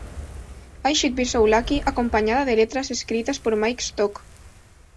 I Should Be So Lucky: acompañada de letras escritas por Mike Stock.